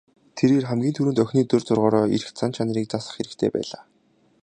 Тэрээр хамгийн түрүүнд охины дур зоргоороо эрх зан чанарыг засах хэрэгтэй байлаа.